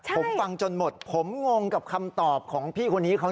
ผมฟังจนหมดผมงงกับคำตอบของพี่คนนี้เขา